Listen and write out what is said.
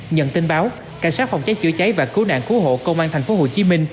nhận tin báo cảnh sát phòng cháy chữa cháy và cứu nạn cứu hộ công an tp hcm